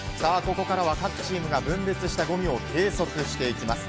ここからは各チームが分別したゴミを計測していきます。